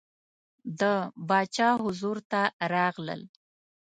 د باچا حضور ته راغلل.